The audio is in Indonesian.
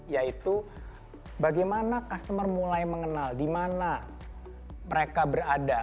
yaitu bagaimana customer mulai mengenal di mana mereka berada